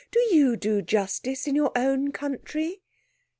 Do you do justice in your own country?"